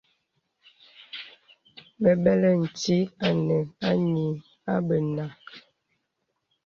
Gbə̀gbə̀lə̀ tìt ànə a nyì abə nà.